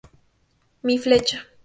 Mi flecha"".